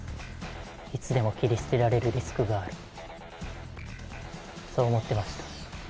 いつでも切り捨てられるリスクがある、そう思ってました。